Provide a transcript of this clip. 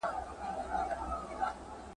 درته موسکی به وي نامرده رقیب ..